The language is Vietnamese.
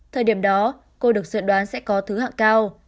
thời điểm đó cô được dự đoán sẽ có thứ hạng cao